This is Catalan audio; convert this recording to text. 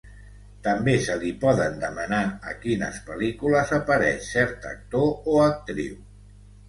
També se li poden demanar a quines pel·lícules apareix cert actor o actriu.